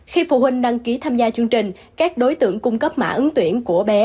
khi phụ huynh đăng ký tham gia chương trình các đối tượng cung cấp mã ứng tuyển của bé